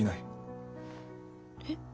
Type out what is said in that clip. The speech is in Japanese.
えっ？